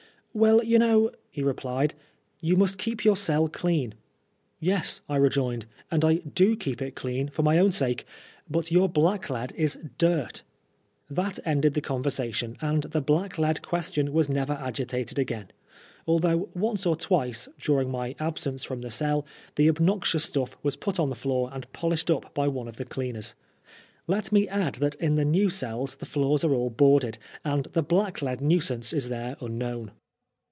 "Well, you know," he replied, " you must keep your cell clean." " Yes," I rejoined, "and I do keep it clean for my own sake ; but your blacklead is dirt" That ended the conversation, and the blacklead question was never agitated again, although once or twice, during my absence from the cell, the obnoxious stuff was put on the floor and polished up by one of the cleaners. Let me add that in the new cells the floors are all boarded, and the blacklead nuisance is there unknown.